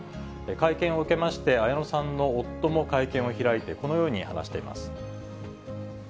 会見を受けまして、綾乃さんの夫も会見を開いて、このように話しています。